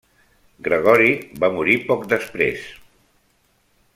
Gregori va morir poc després.